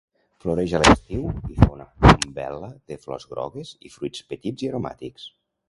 Floreix a l'estiu i fa una umbel·la de flors grogues i fruits petits i aromàtics.